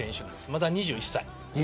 まだ２１歳。